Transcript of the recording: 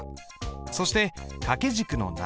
そして掛軸の謎。